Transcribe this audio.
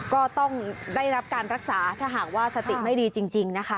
ก็ต้องได้รับการรักษาถ้าหากว่าสติไม่ดีจริงนะคะ